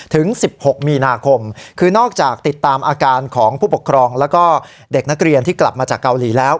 ถึง๑๖มีนาคมคือนอกจากติดตามอาการของผู้ปกครองแล้วก็เด็กนักเรียนที่กลับมาจากเกาหลีแล้ว